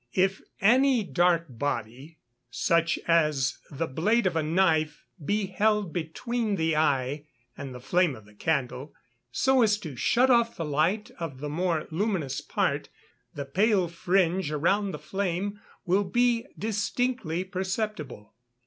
If any dark body, such as the blade of a knife, be held between the eye and the flame of the candle, so as to shut off the light of the more luminous part, the pale fringe around the flame will be found distinctly perceptible.